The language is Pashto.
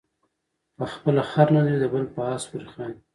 په خپله خر نلري د بل په آس پورې خاندي.